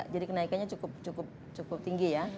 jadi kenaikannya cukup tinggi